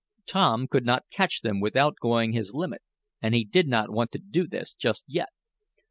Tom could not catch them without going his limit, and he did not want to do this just yet.